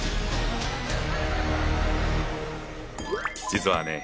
実はね